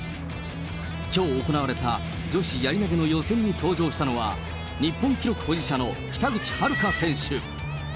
きょう行われた、女子やり投げの予選に登場したのは、日本記録保持者の北口榛花選手。